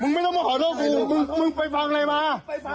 ไม่ต้องมาขอโทษกูมึงมึงไปฟังอะไรมา